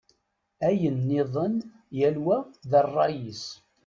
Ayen-nniḍen, yal wa d ṛṛay-is.